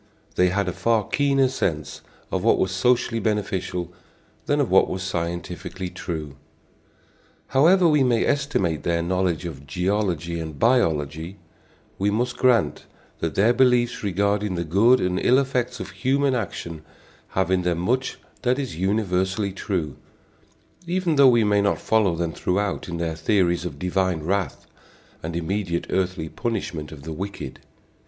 They had a far keener sense of what was socially beneficial than of what was scientifically true. However we may estimate their knowledge of geology and biology, we must grant that their beliefs regarding the good and ill effects of human action have in them much that is universally true, even though we may not follow them throughout in their theories of divine wrath and immediate earthly punishment of the wicked.